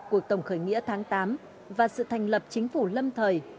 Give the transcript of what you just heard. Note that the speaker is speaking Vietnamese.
cuộc tổng khởi nghĩa tháng tám và sự thành lập chính phủ lâm thời